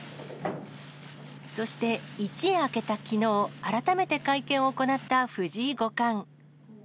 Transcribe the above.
そして一夜明けたきのう、改めて会見を行った藤井五冠。